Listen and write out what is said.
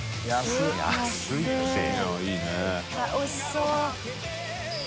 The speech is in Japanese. うわおいしそう。